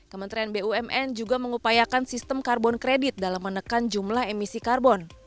kementerian bumn juga mengupayakan sistem karbon kredit dalam menekan jumlah emisi karbon